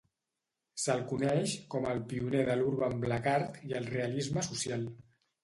Se'l coneix com el pioner de l'urban black art i el realisme social.